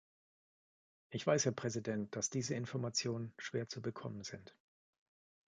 Ich weiß, Herr Präsident, dass diese Informationen schwer zu bekommen sind.